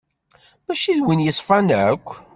Mačči d win yeṣfan akk.